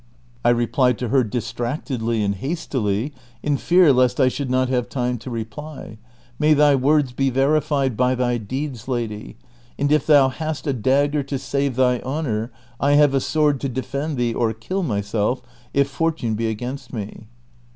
I replied to her distractedly and hastily, in fear lest I should not have time to reply, " May thy vsrords be verified by thy deeds, lady ; and if thou hast a dagger to save thy honor, I have a sword to defend thee or kill myself if fortune be against us."